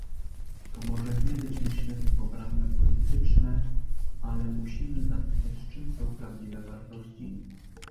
To może nie być myślenie poprawne polityczne, ale musimy zapytać, czym są prawdziwe wartości